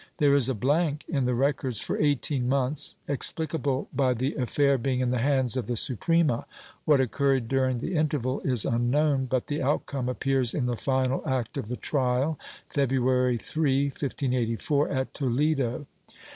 There is a blank in the records for eighteen months, explicable by the affair being in the hands of the Suprema. What occurred during the interval is unknown, but the outcome appears in the final act of the trial, February 3, 1584, at Toledo.